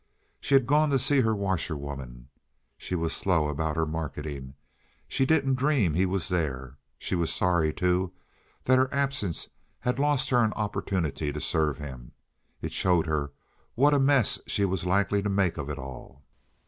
She had gone to see her washerwoman. She was slow about her marketing. She didn't dream he was there. She was sorry, too, that her absence had lost her an opportunity to serve him. It showed her what a mess she was likely to make of it all.